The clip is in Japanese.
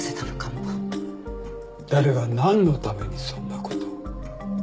誰が何のためにそんなことを？